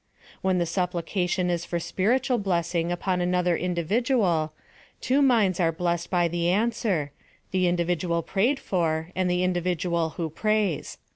When the supplication is foi' spiritual blessing upon another individual, two minds are blessed by the answer, the individual prayed for, and the individual who prays.